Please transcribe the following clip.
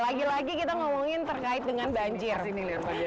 lagi lagi kita ngomongin terkait dengan banjir ini